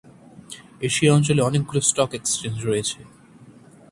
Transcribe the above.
Asia অঞ্চলে অনেকগুলো stock exchange রয়েছে।